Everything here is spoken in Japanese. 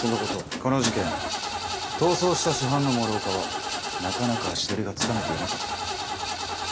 この事件逃走した主犯の諸岡はなかなか足取りがつかめていなかった。